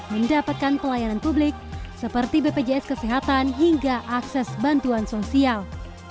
mendapatkan pelayanan publik seperti bpjs kesehatan hingga akses bantuan sosial